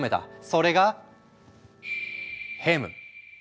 それがヘム。